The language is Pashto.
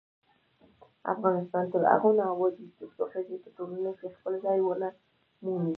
افغانستان تر هغو نه ابادیږي، ترڅو ښځې په ټولنه کې خپل ځای ونه مومي.